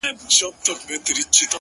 ښــه دى چـي پــــــه زوره سـجــده نه ده؛